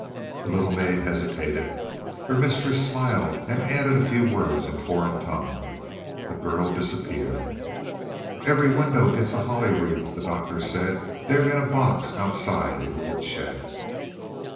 The little maid hesitated. Her mistress smiled and added a few words in foreign tongue. The girl disappeared. "Every window gets a holly wreath," the Doctor said. "They're in a box outside in the wood shed."